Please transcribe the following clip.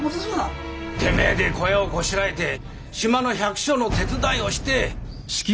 てめえで小屋をこしらえて島の百姓の手伝いをして。